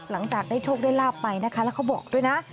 หลังจากได้โชคได้ลาบไปนะคะแล้วเขาบอกด้วยนะ